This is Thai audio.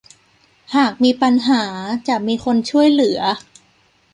หากมีปัญหาจะมีคนช่วยเหลือ